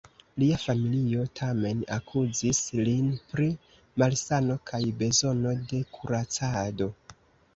Lia familio tamen akuzis lin pri malsano kaj bezono de kuracado.